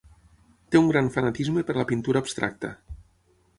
Té un gran fanatisme per la pintura abstracta.